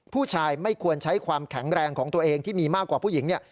ผู้ชายไม่ควรใช้ความแข็งแรงของตัวเองที่มีมากกว่าผู้หญิงเนี่ย